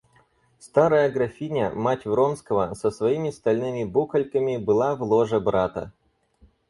Старая графиня, мать Вронского, со своими стальными букольками, была в ложе брата.